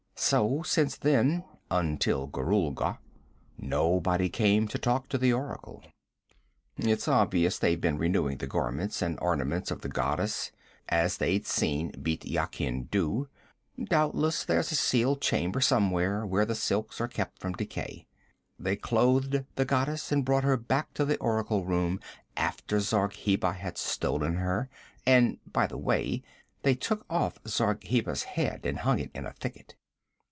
So since then until Gorulga nobody came to talk to the oracle. 'It's obvious they've been renewing the garments and ornaments of the goddess, as they'd seen Bît Yakin do. Doubtless there's a sealed chamber somewhere where the silks are kept from decay. They clothed the goddess and brought her back to the oracle room after Zargheba had stolen her. And by the way, they took off Zargheba's head and hung it in a thicket.'